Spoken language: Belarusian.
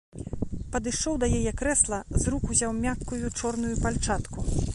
Падышоў да яе крэсла, з рук узяў мяккую чорную пальчатку.